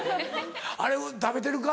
あれ食べてるか？